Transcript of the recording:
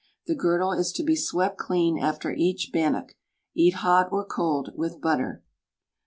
The girdle is to be swept clean after each bannock. Eat hot or cold with butter.